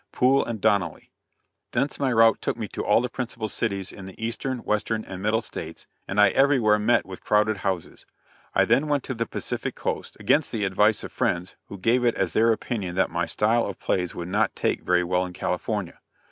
Poole and Donnelly. Thence my route took me to all the principal cities in the Eastern, Western and Middle States, and I everywhere met with crowded houses. I then went to the Pacific Coast, against the advice of friends who gave it as their opinion that my style of plays would not take very well in California.